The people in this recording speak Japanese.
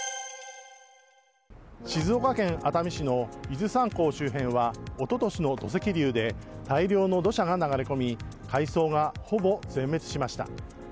静岡県熱海市の伊豆山港周辺は一昨年の土石流で大量の土砂が流れ込み海藻がほぼ全滅しました。